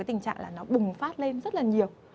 tình trạng là nó bùng phát lên rất là nhiều